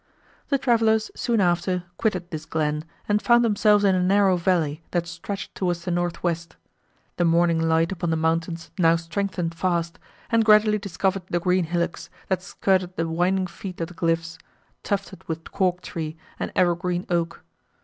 The travellers, soon after, quitted this glen, and found themselves in a narrow valley that stretched towards the north west. The morning light upon the mountains now strengthened fast, and gradually discovered the green hillocks, that skirted the winding feet of the cliffs, tufted with cork tree, and ever green oak.